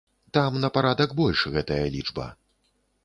Там на парадак больш гэтая лічба.